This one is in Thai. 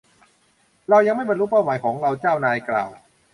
เรายังไม่บรรลุเป้าหมายของเราเจ้านายกล่าว